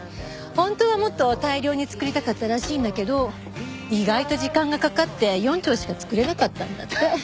本当はもっと大量に作りたかったらしいんだけど意外と時間がかかって４丁しか作れなかったんだって。